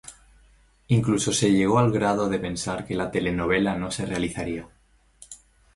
Incluso se llegó al grado de pensar que la telenovela no se realizaría.